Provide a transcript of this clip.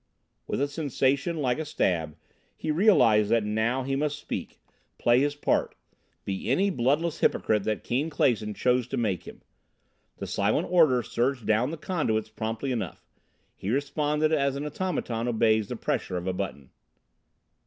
With a sensation like a stab he realized that now he must speak, play his part, be any bloodless hypocrite that Keane Clason chose to make him. The silent order surged down the conduits promptly enough; he responded as an automaton obeys the pressure of a button.